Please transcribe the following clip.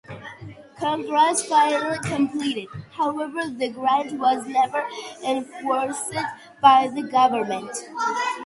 Congress finally complied; however the grant was never enforced by the government.